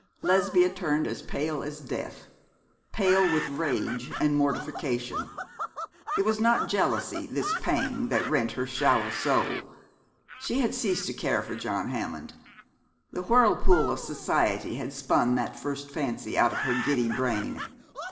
Lesbia turned as pale as death pale with rage and mortification. It was not jealousy, this pang which rent her shallow soul. She had ceased to care for John Hammond. The whirlpool of society had spun that first fancy out of her giddy brain.